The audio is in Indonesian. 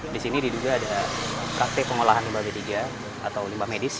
di sini diduga ada praktik pengolahan limbah medis